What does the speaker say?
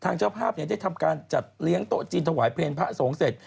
ทางเจ้าภาพเนี่ยได้ทำการจัดเลี้ยงโต๊ะจีนทวายเพล็นพระสงสิต